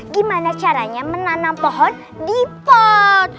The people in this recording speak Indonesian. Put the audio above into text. gimana caranya menanam pohon di pot